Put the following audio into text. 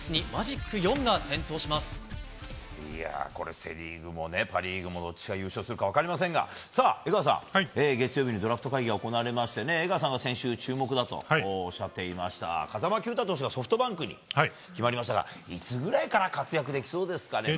セ・リーグもパ・リーグもどっちが優勝するか分かりませんが江川さん、月曜日にドラフト会議が行われまして江川さんが先週、注目だとおっしゃっていました風間球打投手がソフトバンクに決まりましたがいつぐらいから活躍できそうですかね？